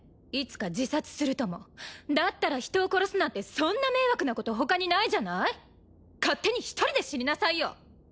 いつか自殺するともだったら人を殺すなんてそんな迷惑なこと他にないじゃない勝手に１人で死になさいよ！